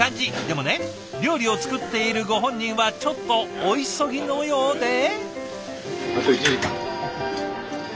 でもね料理を作っているご本人はちょっとお急ぎのようで。